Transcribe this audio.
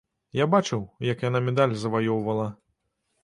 Я бачыў, як яна медаль заваёўвала.